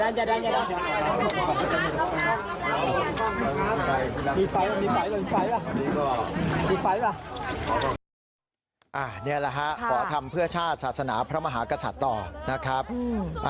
นี่แหละฮะขอทำเพื่อชาติศาสนาพระมหากษัตริย์ต่อนะครับ